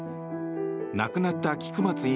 亡くなった菊松１